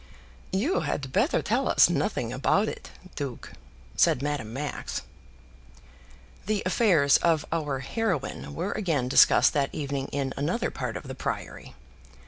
"You had better tell us nothing about it, duke," said Madame Max. The affairs of our heroine were again discussed that evening in another part of the Priory.